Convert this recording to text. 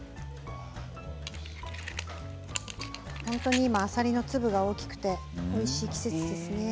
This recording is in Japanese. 本当に今あさりの粒が大きくておいしい季節ですね。